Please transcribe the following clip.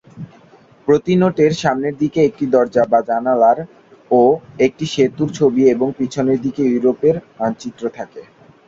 প্রতি নোটের সামনের দিকে একটি দরজা বা জানালার ও একটি সেতুর ছবি এবং পেছনের দিকে ইউরোপের মানচিত্র থাকে।